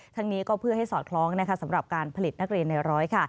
ทั้งนี้ก็เพื่อให้สอดคล้องนะคะสำหรับการผลิตนักเรียนในร้อยค่ะ